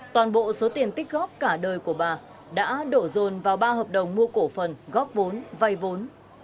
toàn bộ số tiền tích góp cả đời của bà đã đổ dồn vào ba hợp đồng mua cổ phần góp vốn vay vốn